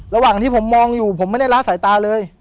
ระหว่างที่ผมมองอยู่ผมไม่ได้ล้าสายตาเลย